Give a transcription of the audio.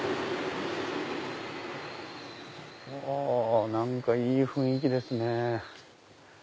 はぁ何かいい雰囲気ですね。